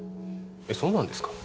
えっそうなんですか？